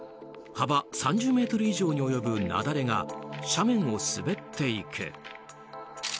幅３０ｍ以上に及ぶ雪崩が斜面を滑っていく。